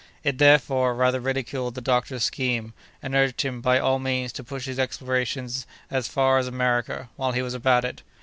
It therefore rather ridiculed the doctor's scheme, and urged him, by all means, to push his explorations as far as America, while he was about it.